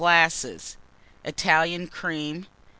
glasses. Italian Cream.